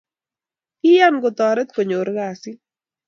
Kiyan kotoret konyor kasit.